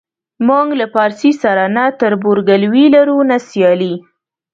موږ له پارسي سره نه تربورګلوي لرو نه سیالي.